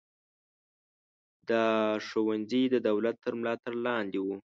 دا ښوونځي د دولت تر ملاتړ لاندې وو.